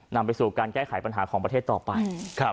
นำไปสู่การแก้ไขปัญหาของประเทศต่อไป